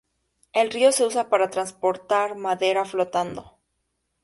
El río se usa para trasportar madera flotando.